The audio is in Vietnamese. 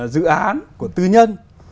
dự án của tư nhân